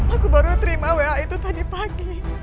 aku baru terima wa itu tadi pagi